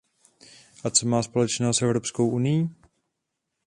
A co to má společného s Evropskou unií?